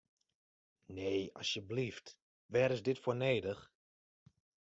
Nee, asjeblyft, wêr is dit foar nedich?